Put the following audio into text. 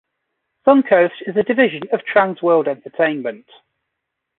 Suncoast is a division of Trans World Entertainment.